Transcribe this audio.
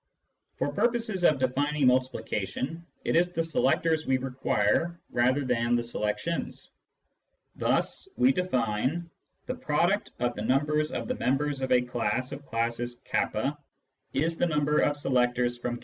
For purposes of defining multiplication, it is the selectors we require rather than the selections. Thus we define :" The product of the numbers of the members of a class of classes k " is the number of selectors from k.